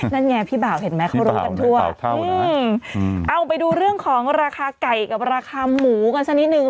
นั่นไงพี่บ่าวเห็นไหมเขารู้กันทั่วเอาไปดูเรื่องของราคาไก่กับราคาหมูกันสักนิดนึง